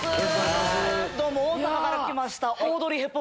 どうも大阪から来ました。